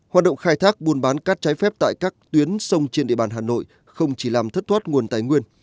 hoạt động khai thác buôn bán cát trái phép tại các tuyến sông trên địa bàn hà nội không chỉ làm thất thoát nguồn tài nguyên